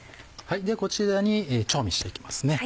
ではこちらに調味して行きますね。